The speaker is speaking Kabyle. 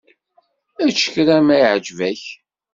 Ečč kra ma iɛǧeb-ak.